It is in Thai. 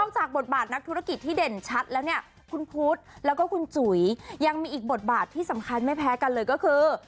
จากบทบาทนักธุรกิจที่เด่นชัดแล้วเนี่ยคุณพุทธแล้วก็คุณจุ๋ยยังมีอีกบทบาทที่สำคัญไม่แพ้กันเลยก็คือ